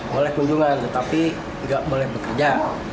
boleh kunjungan tetapi tidak boleh bekerja